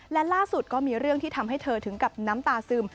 และล่าสุดก็มีเรื่องที่ทำให้เธอถึงกับน้ำตาซึม